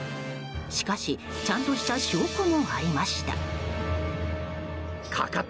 しかし、ちゃんとした証拠もありました。